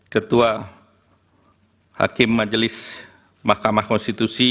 ketua majelis mahkamah konstitusi